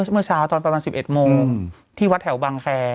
เมื่อเช้าตอนประมาณ๑๑โมงที่วัดแถวบางแคร์